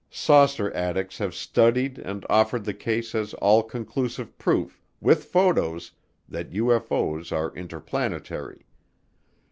Saucer addicts have studied and offered the case as all conclusive proof, with photos, that UFO's are interplanetary.